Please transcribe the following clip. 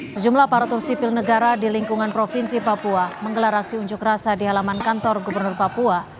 sejumlah aparatur sipil negara di lingkungan provinsi papua menggelar aksi unjuk rasa di halaman kantor gubernur papua